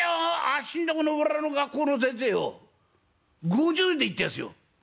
あっしんとこの裏の学校の先生よう５０で行ってやすよ」。